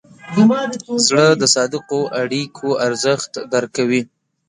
زړه د صادقو اړیکو ارزښت درک کوي.